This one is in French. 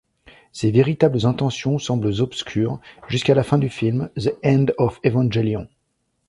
Ses véritables intentions semblent obscures, jusqu'à la fin du film The End of Evangelion.